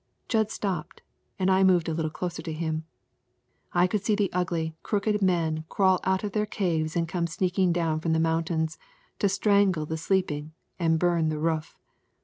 Jud stopped, and I moved up a little closer to him. I could see the ugly, crooked men crawl out of their caves and come sneaking down from the mountains to strangle the sleeping and burn the roof.